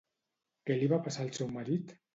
Què li va passar al seu marit?